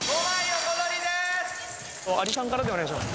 お願いします。